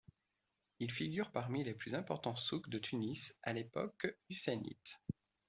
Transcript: Il figure parmi les plus importants souks de Tunis à l’époque husseinite.